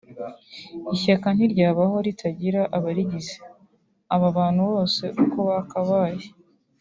Ishyaka ntiryabaho ritagira abarigize; aba bantu bose uko bakabaye